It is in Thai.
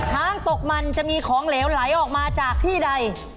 ช้างตกมันจะมีของเหลวไหลออกมาจากที่ใด